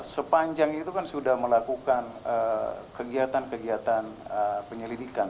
sepanjang itu kan sudah melakukan kegiatan kegiatan penyelidikan